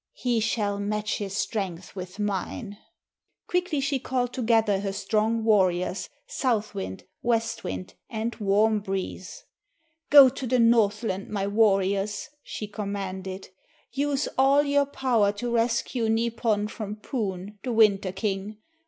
"He shall match his strength with mine!" Quickly she called together her strong warriors, South wind, West wind, and Warm breeze. "Go to the Northland, my warriors," she commanded. "Use all your power to rescue Nipon from Poon, the Winter King.